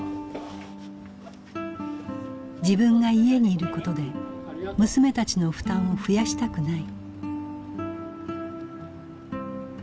自分が家にいることで娘たちの負担を増やしたくない。